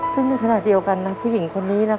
ซึ่งในขณะเดียวกันผู้หญิงคนนี้